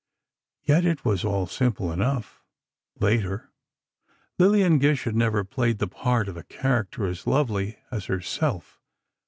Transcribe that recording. Yet it was all simple enough, later: Lillian Gish had never played the part of a character as lovely as herself